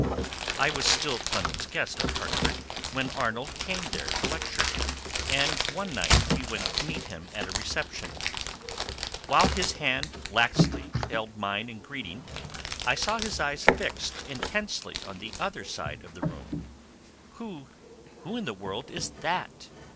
I was still Clemens's guest at Hartford when Arnold came there to lecture, and one night we went to meet him at a reception. While his hand laxly held mine in greeting, I saw his eyes fixed intensely on the other side of the room. "Who who in the world is that?"